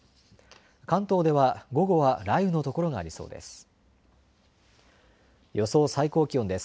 関東では午後は雷雨の所がありそうです。